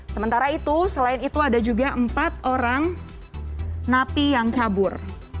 sementara itu selain itu ada juga empat orang napi yang kabur